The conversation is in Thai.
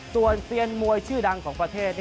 ส่วนเซียนมวยชื่อดังของประเทศ